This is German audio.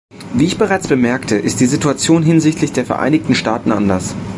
Wie ich bereits bemerkte, ist die Situation hinsichtlich der Vereinigten Staaten anders.